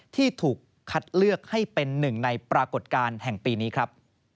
ที่ถูกคัดเลือกให้เป็นหนึ่งในปรากฏการณ์แห่งปีนี้ครับ